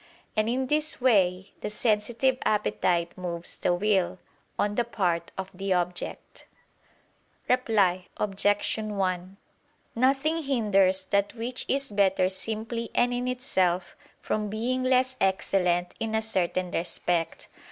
And in this way, the sensitive appetite moves the will, on the part of the object. Reply Obj. 1: Nothing hinders that which is better simply and in itself, from being less excellent in a certain respect.